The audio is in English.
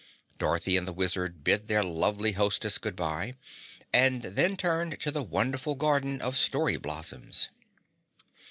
Dorothy and the Wizard bid their lovely hostess good bye and then turned to the wonderful garden of Story Blossoms.